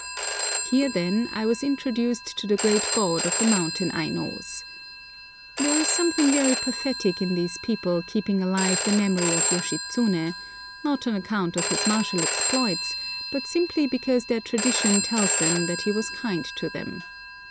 Here, then, I was introduced to the great god of the mountain Ainos. There is something very pathetic in these people keeping alive the memory of Yoshitsuné, not on account of his martial exploits, but simply because their tradition tells them that he was kind to them.